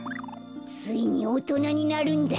ついにおとなになるんだ！